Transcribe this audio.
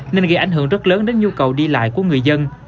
nên gây ảnh hưởng rất lớn đến nhu cầu đi lại của người dân